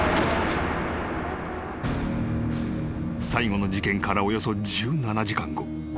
［最後の事件からおよそ１７時間後］